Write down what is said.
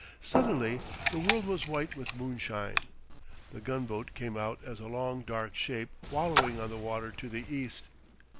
Suddenly the world was white with moonshine. The gunboat came out as a long dark shape wallowing on the water to the east.